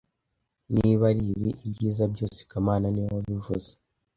Niba aribi, ibyiza byose kamana niwe wabivuze